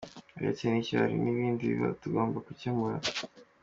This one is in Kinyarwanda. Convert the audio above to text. Uretse n’icyo hari n’ibindi bibazo tugomba gukemura.